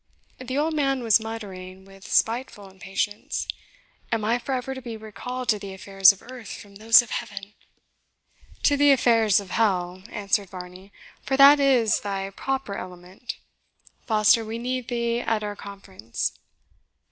The old man was muttering, with spiteful impatience, "Am I for ever to be recalled to the affairs of earth from those of heaven?" "To the affairs of hell," answered Varney, "for that is thy proper element. Foster, we need thee at our conference."